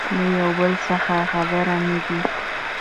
له يو بل څخه خبر نه دي